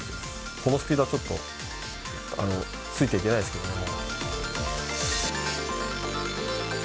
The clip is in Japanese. このスピードはちょっとついていけないですけどね。